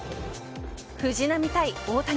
藤浪対大谷。